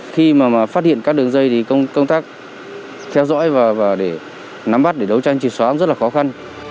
khi mà phát hiện các đường dây thì công tác theo dõi và nắm bắt để đấu tranh trịt xóa cũng rất là khó khăn